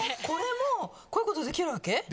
「これもこういうことできるわけ？」